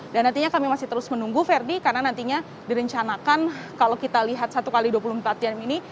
dan nantinya kami masih terus menunggu ferdin karena nantinya direncanakan kalau kita lihat satu x dua puluh empat jam ini